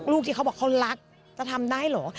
ที่เขาบอกเขารักจะทำได้เหรอ